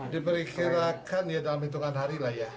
diperkirakan ya dalam hitungan hari lah ya